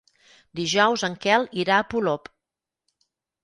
Dijous en Quel irà a Polop.